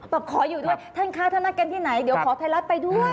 แบบขออยู่ด้วยท่านค่ะท่านนักการณ์ที่ไหนเดี๋ยวขอไทยรัฐไปด้วย